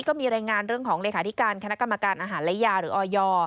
ก็มีรายงานเรื่องของเลขาธิการคณะกรรมการอาหารและยาหรือออย